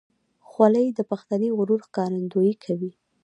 خولۍ د پښتني غرور ښکارندویي کوي.